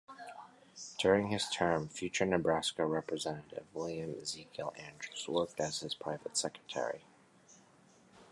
During his term, future Nebraska representative William Ezekiel Andrews worked as his private secretary.